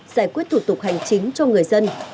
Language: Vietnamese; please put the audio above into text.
giải quyết thủ tục hành chính cho người dân